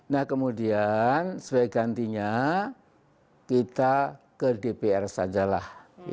nah kemudian sebagai gantinya kita ke dpr saja lah